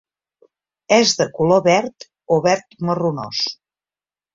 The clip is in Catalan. És de color verd o verd marronós.